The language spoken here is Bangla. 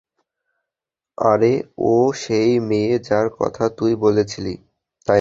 আরে ও সেই মেয়ে যার কথা তুই বলেছিলি, তাই না?